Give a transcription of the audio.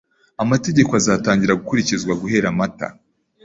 Amategeko azatangira gukurikizwa guhera Mata.